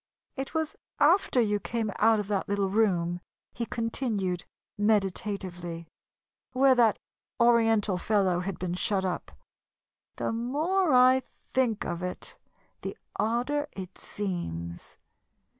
"It was after you came out of that little room," he continued, meditatively, "where that Oriental fellow had been shut up. The more I think of it, the odder it seems.